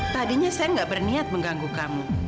tadinya saya gak berniat mengganggu kamu